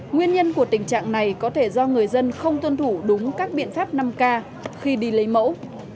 nguyên nhân của tình trạng này có thể do người dân không tuân thủ đúng các biện pháp năm k khi đi lấy mẫu